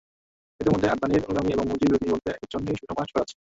এঁদের মধ্যে আদভানির অনুগামী এবং মোদির বিরোধী বলতে একজনই, সুষমা স্বরাজ।